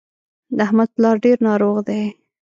د احمد پلار ډېر ناروغ دی